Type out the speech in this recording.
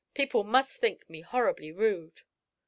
People must think me horribly rude."